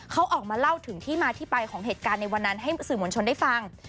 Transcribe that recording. เขาออกมาเล่าถึงที่มาที่ไปของเหตุการณ์ในวันนั้นให้สื่อมวลชนได้ฟัง